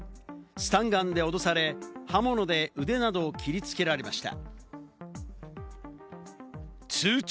スタンガンで脅され、刃物で腕などを切り付けられました。